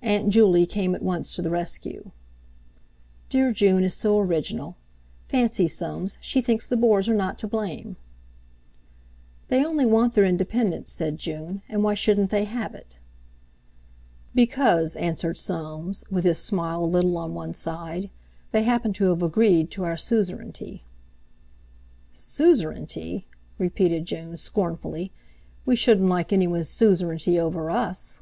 Aunt Juley came at once to the rescue: "Dear June is so original. Fancy, Soames, she thinks the Boers are not to blame." "They only want their independence," said June; "and why shouldn't they have it?" "Because," answered Soames, with his smile a little on one side, "they happen to have agreed to our suzerainty." "Suzerainty!" repeated June scornfully; "we shouldn't like anyone's suzerainty over us."